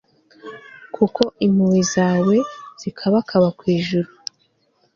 kuko impuhwe zawe zikabakaba ku ijuru